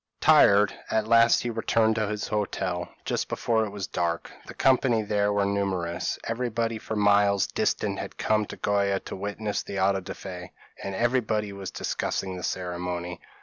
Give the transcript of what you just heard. p> Tired, at last he returned to his hotel, just before it was dark. The company there were numerous; everybody for miles distant had come to Goa to witness the auto da fe, and everybody was discussing the ceremony.